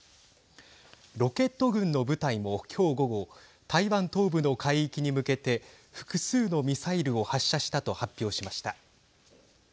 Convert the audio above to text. ロケット軍の部隊も今日、午後台湾東部の海域に向けて複数のミサイルを発射したと発表しました。